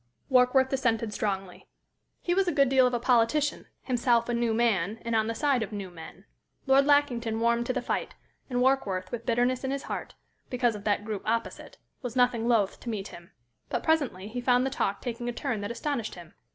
Warkworth dissented strongly. He was a good deal of a politician, himself a "new man," and on the side of "new men." Lord Lackington warmed to the fight, and Warkworth, with bitterness in his heart because of that group opposite was nothing loath to meet him. But presently he found the talk taking a turn that astonished him.